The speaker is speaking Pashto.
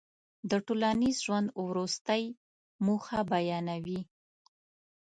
د ټولنیز ژوند وروستۍ موخه بیانوي.